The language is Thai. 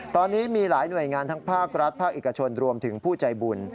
ตอนนี้มีหลายหน่วยงานทั้งภาครัฐภาคเอกชนรวมถึงผู้ใจบุญ